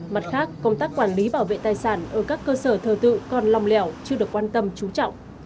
mặt khác công tác quản lý bảo vệ tài sản ở các cơ sở thờ tự còn lòng lẻo chưa được quan tâm trú trọng